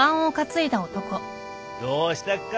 どうしたっか？